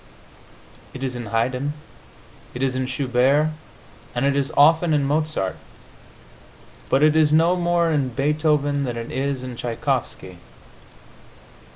It is in Haydn, it is in Schubert and it is often in Mozart, but it is no more in Beethoven than it is in Tschaikovsky.